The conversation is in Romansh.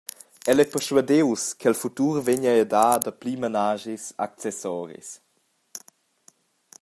El ei perschuadius ch’el futur vegni ei a dar dapli menaschis accessoris.